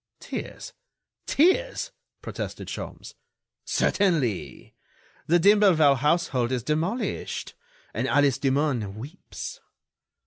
"Tears! Tears!" protested Sholmes. "Certainly! The d'Imblevalle household is demolished, and Alice Demun weeps."